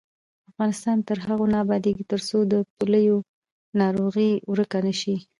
افغانستان تر هغو نه ابادیږي، ترڅو د پولیو ناروغي ورکه نشي.